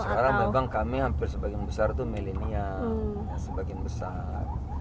sekarang memang kami hampir sebagian besar itu milenial sebagian besar